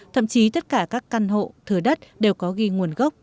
thậm chí tất cả các căn hộ thờ đất đều có ghi nguồn gốc